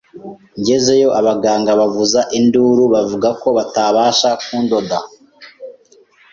njyezeyo abaganga bavuza induru bavuga ko batabasha kundoda